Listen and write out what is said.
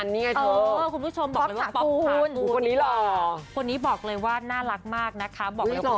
น้องล้อคล้ายพี่ตุ้ยหิระพัดน้ำวงมผม